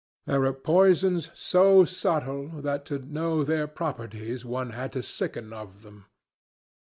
There were poisons so subtle that to know their properties one had to sicken of them.